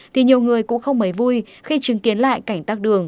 thì nhiều người cũng không mấy vui khi chứng kiến lại cảnh tắc đường